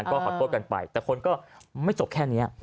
ก็ขอโทษกันไปแต่คนก็ไม่จบแค่นี้